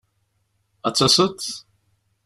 Ad d-taseḍ?